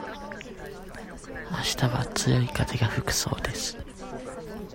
あしたは強い風が吹くそうです。